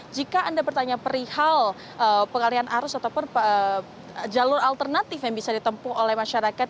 jika anda bertanya perihal pengalian arus ataupun jalur alternatif yang bisa ditempuh oleh masyarakat